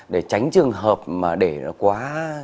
để tránh trường hợp mà để quá